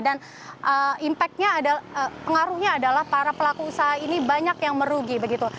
dan pengaruhnya adalah para pelaku usaha ini banyak yang merugi begitu